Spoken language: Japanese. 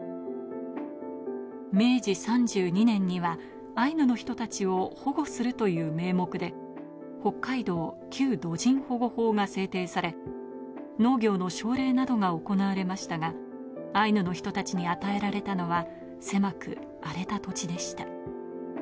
明治３２年にはアイヌの人たちを保護するという名目で、北海道旧土人保護法が制定され、農業の奨励などが行われましたが、アイヌの人たちに与えられたのは狭く荒れた土地でした。